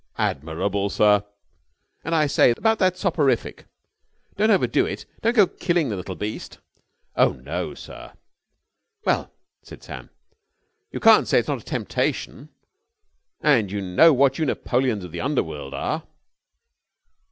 "Admirable, sir." "And, I say, about that soporific.... Don't overdo it. Don't go killing the little beast." "Oh, no, sir." "Well," said Sam, "you can't say it's not a temptation. And you know what you Napoleons of the Underworld are!"